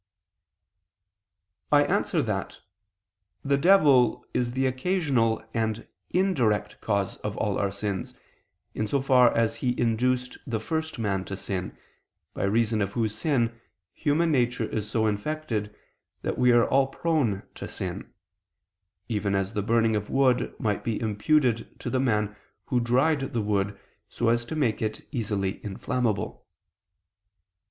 I answer that, the devil is the occasional and indirect cause of all our sins, in so far as he induced the first man to sin, by reason of whose sin human nature is so infected, that we are all prone to sin: even as the burning of wood might be imputed to the man who dried the wood so as to make it easily inflammable.